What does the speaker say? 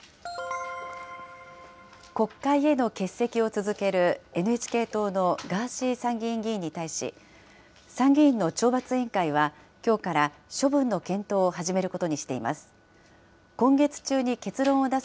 国会への欠席を続けるＮＨＫ党のガーシー参議院議員に対し、参議院の懲罰委員会は、きょうから処分の検討を始めることにしています。